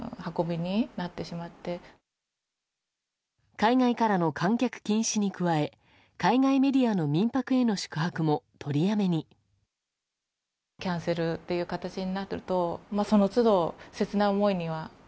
海外からの観客禁止に加え海外メディアの民泊への宿泊も取りやめに。